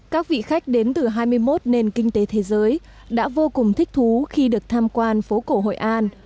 các vị khách đến từ hai mươi một nền kinh tế thế giới đã vô cùng thích thú khi được tham quan phố cổ hội an